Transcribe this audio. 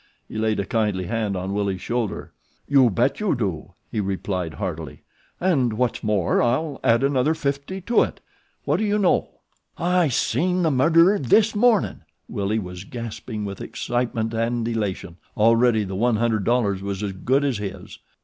He laid a kindly hand on Willie's shoulder. "You bet you do," he replied heartily, "and what's more I'll add another fifty to it. What do you know?" "I seen the murderer this mornin'," Willie was gasping with excitement and elation. Already the one hundred dollars was as good as his.